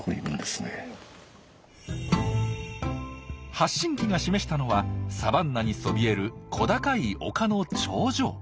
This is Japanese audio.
発信機が示したのはサバンナにそびえる小高い丘の頂上。